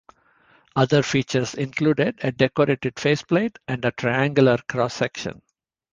Other features included a decorated face plate and a triangular cross-section.